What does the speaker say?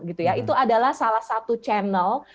gitu ya itu adalah salah satu channel